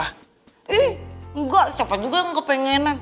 eh enggak siapa juga yang kepengenan